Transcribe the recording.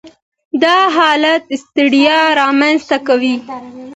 دا حالت ستړیا رامنځ ته کوي.